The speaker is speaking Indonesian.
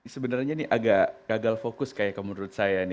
sebenarnya ini agak gagal fokus kayak kamu menurut saya nih